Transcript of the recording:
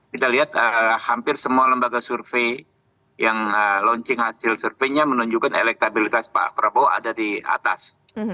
kita lihat hampir semua lembaga survei yang launching hasil surveinya menunjukkan elektabilitas pak prabowo ada di atas